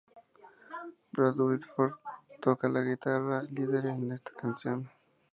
Brad Whitford toca la guitarra líder en esta canción.